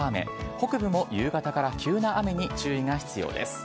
北部も夕方から急な雨に注意が必要です。